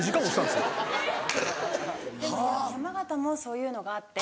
でも山形もそういうのがあって。